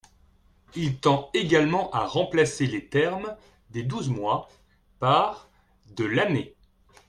Il tend également à remplacer les termes « des douze mois » par « de l’année ».